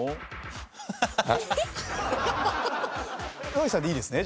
ＲＯＹさんでいいですね？